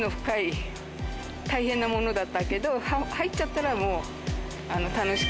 大変なものだったけど入っちゃったら。